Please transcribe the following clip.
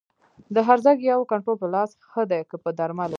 د هرزه ګیاوو کنټرول په لاس ښه دی که په درملو؟